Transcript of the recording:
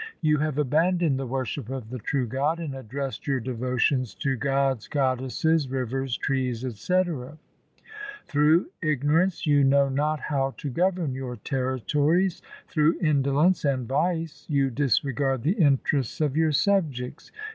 You have abandoned the worship of the true God and addressed your devotions to gods, goddesses, rivers, trees, &c Through ignorance you know not how to govern your territories ; through indolence and vice you disregard the interests of your subjects.